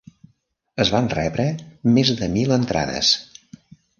Es van rebre més de mil entrades.